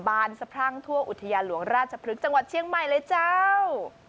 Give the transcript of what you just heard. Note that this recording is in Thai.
บานสะพรั่งทั่วอุทยานหลวงราชพฤกษ์จังหวัดเชียงใหม่เลยเจ้า